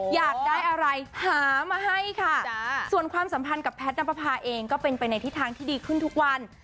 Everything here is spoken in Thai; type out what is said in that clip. อยากได้อะไรหามาให้ค่ะส่วนความสัมพันธ์กับแพทย์นับประพาเองก็เป็นไปในทิศทางที่ดีขึ้นทุกวัน